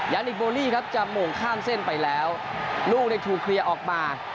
นิกโบลี่ครับจะโมงข้ามเส้นไปแล้วลูกถูกเคลียร์ออกมา